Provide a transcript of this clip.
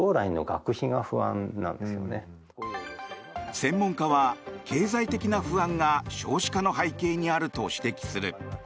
専門家は経済的な不安が少子化の背景にあると指摘する。